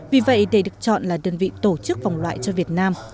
vì vậy để được chọn là đơn vị tổ chức vòng loại cho việt nam